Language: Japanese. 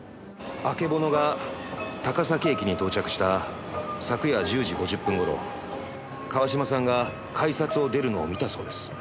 あけぼのが高崎駅に到着した昨夜１０時５０分頃川島さんが改札を出るのを見たそうです。